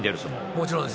もちろんです。